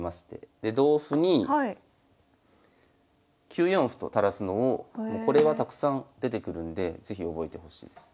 で同歩に９四歩と垂らすのをこれはたくさん出てくるんで是非覚えてほしいです。